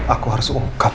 aku mau pergi sebentar